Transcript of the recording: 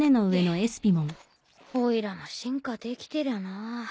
おいらも進化できてりゃな。